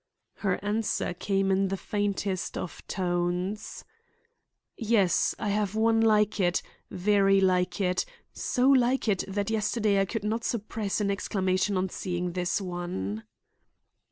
Her answer came in the faintest of tones. "Yes, I have one like it; very like it; so like it that yesterday I could not suppress an exclamation on seeing this one."